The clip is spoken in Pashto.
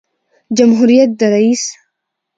جمهوریت د رئیس